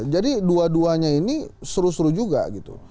jadi dua duanya ini seru seru juga gitu